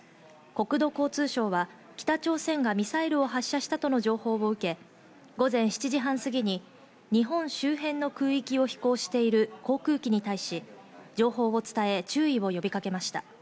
国土交通省は北朝鮮がミサイルを発射したとの情報を受け、午前７時半過ぎに日本周辺の空域を飛行している航空機に対し、情報を伝え、注意を呼びかけました。